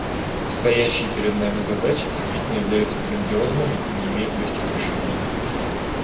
Стоящие перед нами задачи действительно являются грандиозными и не имеют легких решений.